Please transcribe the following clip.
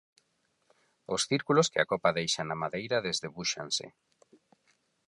Os círculos que a copa deixa na madeira desdebúxanse.